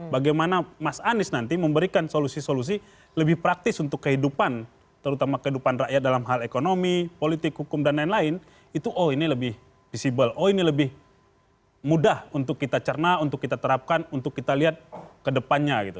bagaimana mas anies nanti memberikan solusi solusi lebih praktis untuk kehidupan terutama kehidupan rakyat dalam hal ekonomi politik hukum dan lain lain itu oh ini lebih visible oh ini lebih mudah untuk kita cerna untuk kita terapkan untuk kita lihat ke depannya gitu